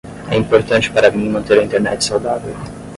É importante para mim manter a Internet saudável.